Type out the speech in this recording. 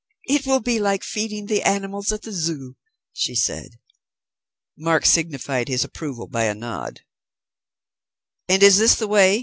"It will be like feeding the animals at the Zoo," she said. Mark signified his approval by a nod. "And is this the way?"